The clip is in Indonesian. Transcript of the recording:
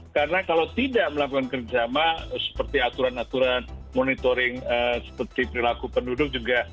karena kalau tidak melakukan kerjasama seperti aturan aturan monitoring seperti perilaku penduduk juga